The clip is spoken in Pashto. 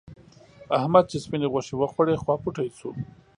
احمد چې سپينې غوښې وخوړې؛ خواپوتی شو.